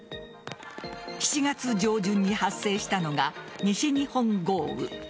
７月上旬に発生したのが西日本豪雨。